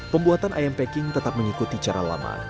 pembuatan ayam packing tetap mengikuti cara lama